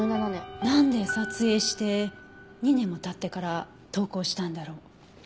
なんで撮影して２年も経ってから投稿したんだろう。